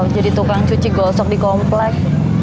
jadi tukang cuci gosok di komplek